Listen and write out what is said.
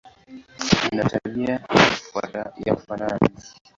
Zina tabia za kufanana.